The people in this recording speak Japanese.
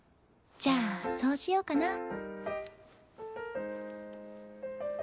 じゃあそうしようかな。